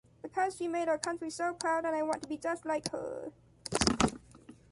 Because she made our country so proud and I want to be just like her.